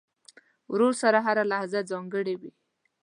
ورور سره هره لحظه ځانګړې وي.